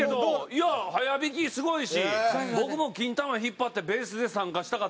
いや速弾きすごいし僕もキンタマ引っ張ってベースで参加したかったですよ。